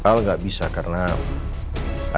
ada hal yang gak bisa dikendalikan